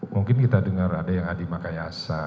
mungkin kita dengar ada yang adi makayasa